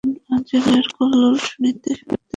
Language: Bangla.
মাঝিদের গান ও জলের কল্লোল শুনিতে শুনিতে উভয়ে অগ্রসর হইলেন।